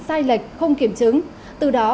sai lệch không kiểm chứng từ đó